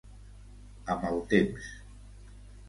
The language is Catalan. Amb el temps.